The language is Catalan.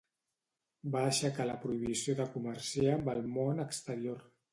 Va aixecar la prohibició de comerciar amb el món exterior.